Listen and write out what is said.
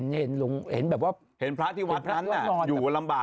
เห็นพระที่วัดพระนั้นอยู่ลำบาก